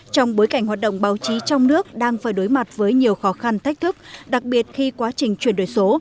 trong bối cảnh hoạt động báo chí trong nước đang phải đối mặt với nhiều khó khăn thách thức đặc biệt khi quá trình chuyển đổi số